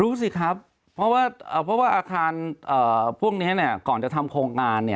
สิครับเพราะว่าอาคารพวกนี้ก่อนจะทำโครงการ